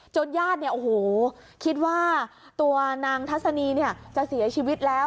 ญาติเนี่ยโอ้โหคิดว่าตัวนางทัศนีเนี่ยจะเสียชีวิตแล้ว